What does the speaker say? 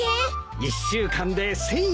１週間で１，０００円。